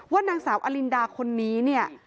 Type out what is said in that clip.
ว่านางสาวอลินดาคนนี้